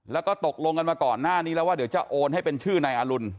แล้วก็ตกลงกันมาก่อนหน้านี้แล้วว่าเดี๋ยวจะโอนให้เป็นชื่อนายอรุณ